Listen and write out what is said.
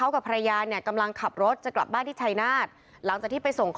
แล้วก็ได้คุยกับนายวิรพันธ์สามีของผู้ตายที่ว่าโดนกระสุนเฉียวริมฝีปากไปนะคะ